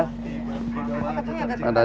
oh katanya ada tanda